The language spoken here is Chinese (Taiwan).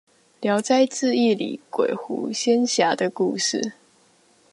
聊齋誌異裏鬼狐仙俠的故事